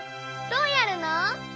どうやるの？